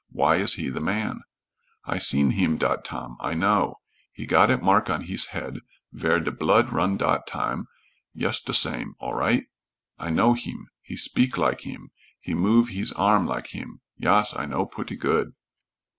Why is he the man?" "I seen heem dot tam, I know. He got it mark on hees head vere de blud run dot tam, yust de sam, all right. I know heem. He speek lak heem. He move hees arm lak heem. Yas, I know putty good."